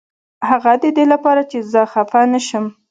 هغه ددې لپاره چې زه خفه نشم.